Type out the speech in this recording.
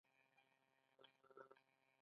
انګریزانو ماته نوی ژوند راوباښه او خوشحاله شوم